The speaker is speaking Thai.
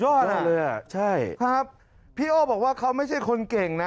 อะไรเลยอ่ะใช่ครับพี่โอ้บอกว่าเขาไม่ใช่คนเก่งนะ